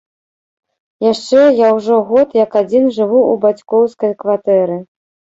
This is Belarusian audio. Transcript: Яшчэ, я ўжо год як адзін жыву ў бацькоўскай кватэры.